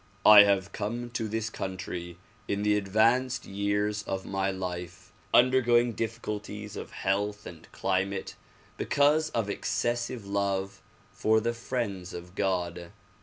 I have come to this country in the advanced years of my life, undergoing difficulties of health and climate because of excessive love for the friends of God.